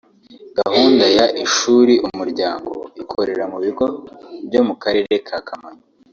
Gahunda ya “Ishuri Umuryango” ikorera mu bigo byo mu karere ka Kamonyi